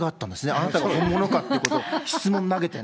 あなたが本物かっていうことを、質問投げてね。